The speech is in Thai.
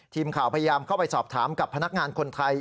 ทีมข่าวพยายามเข้าไปสอบถามกับพนักงานคนไทย